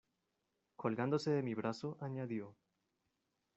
colgándose de mi brazo, añadió: